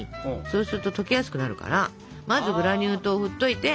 そうすると溶けやすくなるからまずグラニュー糖をふっといて。